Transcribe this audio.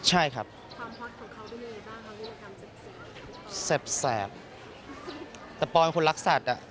เรียกว่าเป็นนุมพล็อตตั้งแต่สมัยทำงาน